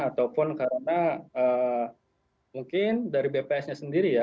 ataupun karena mungkin dari bps nya sendiri ya